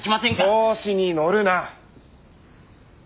調子に乗るな！